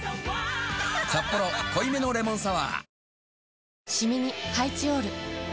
「サッポロ濃いめのレモンサワー」